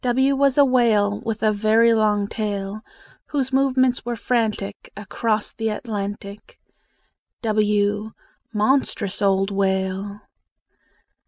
W was a whale With a very long tail, Whose movements were frantic Across the Atlantic. w Monstrous old whale!